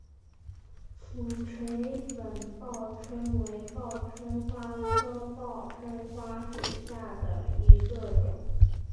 俯垂粉报春为报春花科报春花属下的一个种。